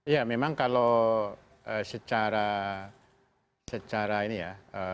ya memang kalau secara ini ya